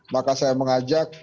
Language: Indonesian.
maka saya mengajak